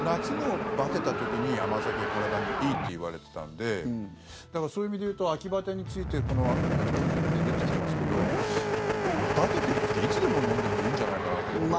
夏のバテた時に甘酒体にいいっていわれてたんでだから、そういう意味でいうと秋バテについてこの米麹って出てきてますけどバテてる時はいつでも飲んでもいいんじゃないかなと思って。